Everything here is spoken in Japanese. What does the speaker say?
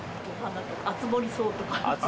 アツモリソウああ